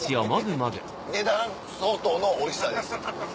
値段相当のおいしさです。